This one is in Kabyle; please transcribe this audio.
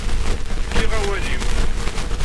Fkiɣ awal-iw.